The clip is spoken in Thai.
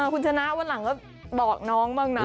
คุณชนะวันหลังก็บอกน้องบ้างนะ